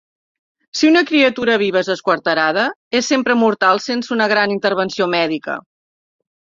Si una criatura viva és esquarterada, és sempre mortal sense una gran intervenció mèdica.